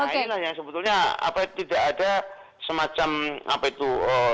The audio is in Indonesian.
nah inilah yang sebetulnya tidak ada semacam apa itu